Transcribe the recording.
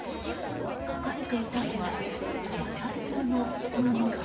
書かれていたのは混ざりものの文字。